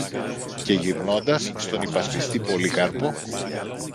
Και γυρνώντας στον υπασπιστή Πολύκαρπο